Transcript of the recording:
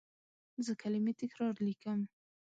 زه کلمې تکرار لیکم.